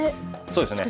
そうですね。